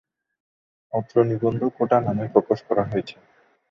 অত্র নিবন্ধ কোটা নামে প্রকাশ করা হয়েছে।